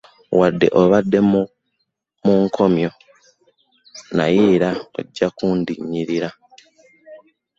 Wadde obadde mu nkomyo naye era ojja kundiyirira.